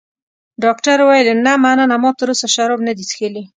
ډاکټر وویل: نه، مننه، ما تراوسه شراب نه دي څښلي.